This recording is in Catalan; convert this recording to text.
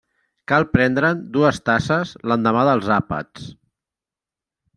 Cal prendre'n dues tasses l'endemà dels àpats.